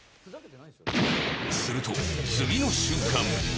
すると、次の瞬間。